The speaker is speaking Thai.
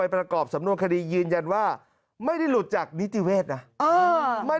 ประกอบสำนวนคดียืนยันว่าไม่ได้หลุดจากนิติเวศนะ